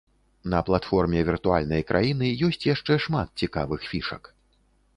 На платформе віртуальнай краіны ёсць яшчэ шмат цікавых фішак.